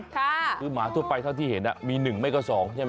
คือหมาทั่วไปเท่าที่เห็นมี๑ไม่ก็๒ใช่ไหม